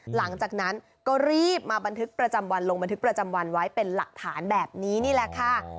หลังจากนั้นก็รีบมาบันทึกประจำวันลงบันทึกประจำวันไว้เป็นหลักฐานแบบนี้นี่แหละค่ะ